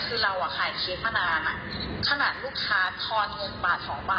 คือเราอะขายเคสขนาดน่ะขนาดลูกค้าทอนเงินบาท๒บาทอะ